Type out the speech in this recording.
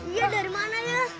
iya dari mana ya